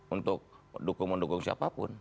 untuk mendukung siapapun